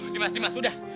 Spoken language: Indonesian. dimas dimas udah